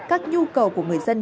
các nhu cầu của người dân